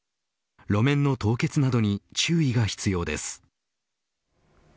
路面の凍結などに注意が必要です。